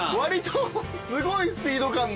すごいスピード感の。